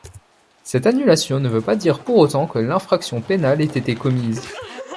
Cette annulation ne veut pas dire pour autant que l'infraction pénale ait été commise.